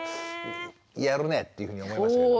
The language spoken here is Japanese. やるねっていうふうに思いましたけど。